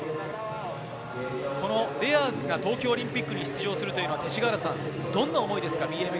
デアースが東京オリンピックに出場するというのは、どんな思いですか？